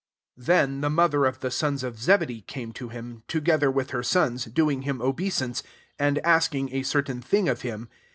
SO Thek, the mother of the sons ofZebedee came to him, together with her sons, doing him obeisance, and asking a cer tain thing of him.